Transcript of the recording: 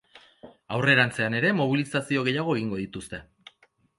Aurrerantzean ere mobilizazio gehiago egingo dituzte.